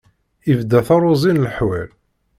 Ibda taruẓi n leḥwal!